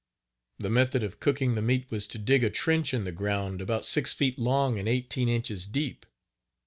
The method of cooking the meat was to dig a trench in the ground about six feet long and eighteen inches deep.